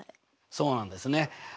そうなんですね。